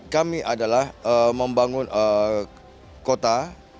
kami adalah membangun kota